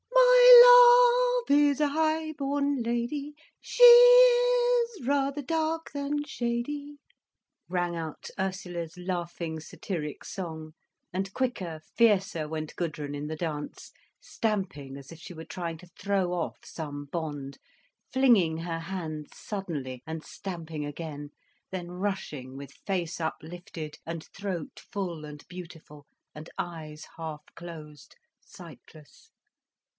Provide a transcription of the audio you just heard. "My love is a high born lady—She is s s—rather dark than shady—" rang out Ursula's laughing, satiric song, and quicker, fiercer went Gudrun in the dance, stamping as if she were trying to throw off some bond, flinging her hands suddenly and stamping again, then rushing with face uplifted and throat full and beautiful, and eyes half closed, sightless.